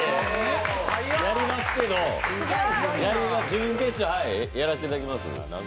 やりますけど、やらせていただきます。